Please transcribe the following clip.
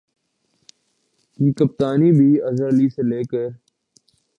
کی کپتانی بھی اظہر علی سے لے کر